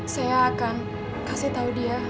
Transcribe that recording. saya akan kasih tahu dia